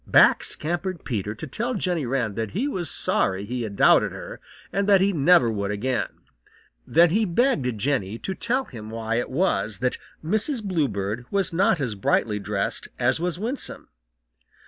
Back scampered Peter to tell Jenny Wren that he was sorry he had doubted her and that he never would again. Then he begged Jenny to tell him why it was that Mrs. Bluebird was not as brightly dressed as was Winsome.